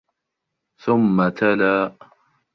ثُمَّ تَلَا